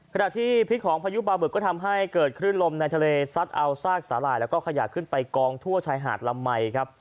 ขณะที่พิษของพายุปลาบึกก็ทำให้เกิดคลื่นลมในทะเลซัดเอาซากสาหร่ายแล้วก็ขยะขึ้นไปกองทั่วชายหาดละไหมครับ